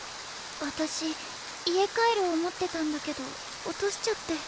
私家カエルを持ってたんだけど落としちゃって。